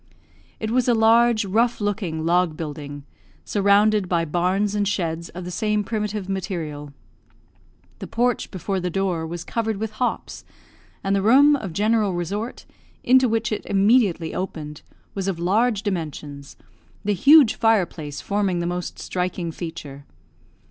It was a large, rough looking, log building, surrounded by barns and sheds of the same primitive material. The porch before the door was covered with hops, and the room of general resort, into which it immediately opened, was of large dimensions, the huge fire place forming the most striking feature.